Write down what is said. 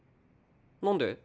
何で？